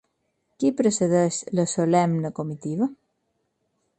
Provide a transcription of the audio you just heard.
Qui precedeix la solemne comitiva?